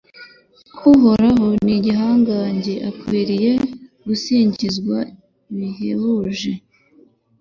Uhoraho ni igihangange akwiriye gusingirizwa bihebuje